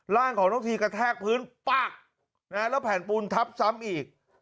ร่างของน้องทีกระแทกพื้นปักแล้วแผ่นปูนทับซ้ำอีก